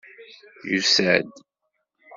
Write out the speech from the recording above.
Yusa-d!